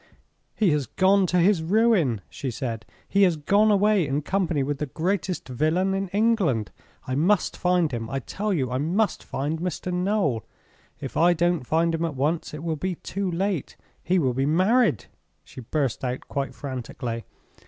'He has gone to his ruin!' she said. 'He has gone away in company with the greatest villain in England. I must find him! I tell you I must find Mr. Noel! If I don't find him at once, it will be too late. He will be married!' she burst out quite frantically.